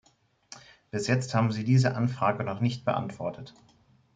Bis jetzt haben Sie diese Anfragen noch nicht beantwortet.